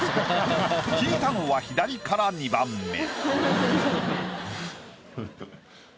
引いたのは左から２番目。